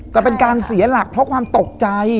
จะเป็นการเสียหลักเพราะความตกใจ